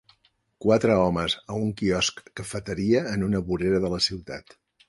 Quatre homes a un quiosc cafeteria en una vorera de la ciutat.